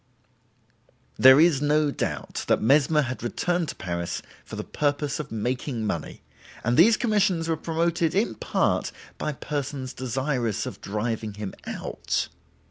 There is no doubt that Mesmer had returned to Paris for the purpose of making money, and these commissions were promoted in part by persons desirous of driving him out.